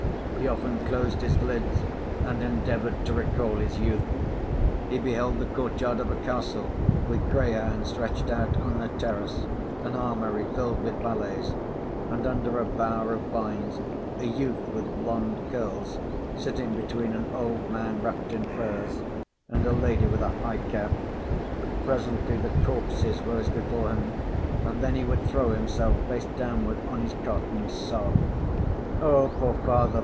He often closed his lids and endeavored to recall his youth; he beheld the courtyard of a castle, with greyhounds stretched out on a terrace, an armoury filled with valets, and under a bower of vines a youth with blond curls, sitting between an old man wrapped in furs and a lady with a high cap; presently the corpses rose before him, and then he would throw himself face downward on his cot and sob: "Oh! poor father!